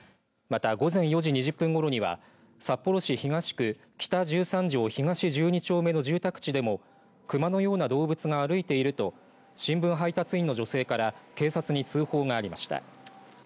また、午前４時２０分ごろには札幌市東区北１３条東１２丁目の住宅地でもクマのような動物が歩いていると新聞配達員の女性から警察に通報がありました。